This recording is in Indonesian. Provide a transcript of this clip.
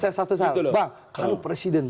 saya satu soal bang kalau presiden